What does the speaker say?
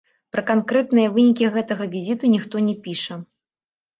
Пра канкрэтныя вынікі гэтага візіту ніхто не піша.